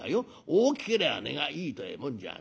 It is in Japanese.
大きけりゃ値がいいてえもんじゃないんだ。